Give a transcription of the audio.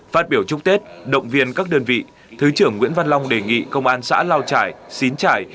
phát biểu chúc tết động viên các đơn vị thứ trưởng nguyễn văn long đề nghị công an xã lao trải xín trải